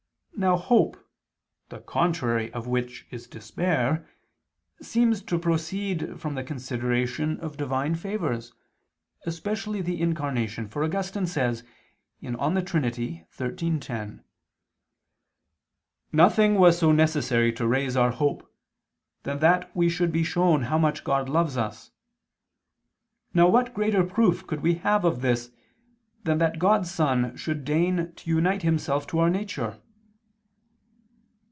Now hope, the contrary of which is despair, seems to proceed from the consideration of Divine favors, especially the Incarnation, for Augustine says (De Trin. xiii, 10): "Nothing was so necessary to raise our hope, than that we should be shown how much God loves us. Now what greater proof could we have of this than that God's Son should deign to unite Himself to our nature?"